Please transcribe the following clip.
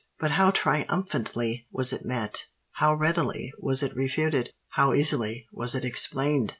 But how triumphantly was it met? how readily was it refuted? how easily was it explained!